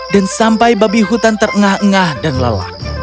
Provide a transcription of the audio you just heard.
dan sampai babi hutan terengah engah dan lelah